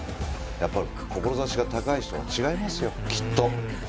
やっぱり志が高い人は違いますよ、きっと。